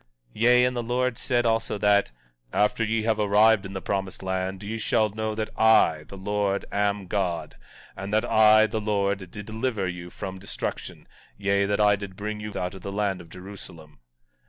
17:14 Yea, and the Lord said also that: After ye have arrived in the promised land, ye shall know that I, the Lord, am God; and that I, the Lord, did deliver you from destruction; yea, that I did bring you out of the land of Jerusalem.